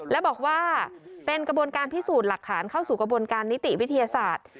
และบอกว่าเป็นกระบวนการพิสูจน์หลักฐานเข้าสู่กระบวนการนิติวิทยาศาสตร์